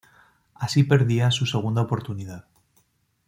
Así perdía su segunda oportunidad.